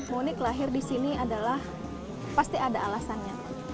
monik lahir di sini adalah pasti ada alasannya